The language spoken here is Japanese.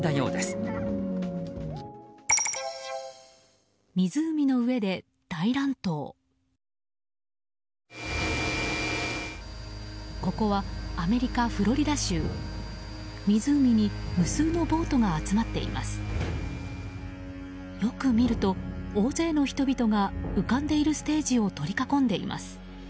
よく見ると大勢の人々が浮かんでいるステージを取り囲んでいます。